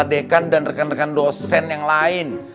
dekan dan rekan rekan dosen yang lain